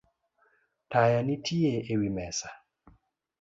Taya nitie ewi mesa